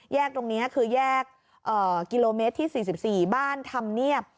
แยกตรงนี้คือแยกกิโลเมตรที่๔๔บ้านธรรมเนียบ